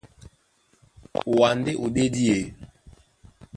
Wǎ ndé ó ɗédi e.